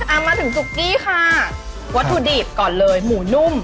เอามาถึงซุกกี้ค่ะวัตถุดิบก่อนเลยหมูนุ่ม